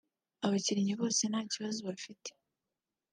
Abakinnyi bose nta kibazo bafite